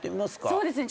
そうですね。